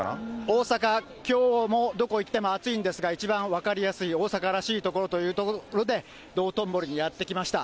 大阪、きょうもどこ行っても暑いんですが、一番分かりやすい、大阪らしい所ということで、道頓堀にやって来ました。